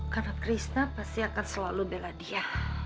karena krishna pasti akan selalu bela dia